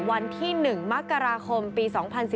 วันที่๑มกราคมปี๒๐๑๙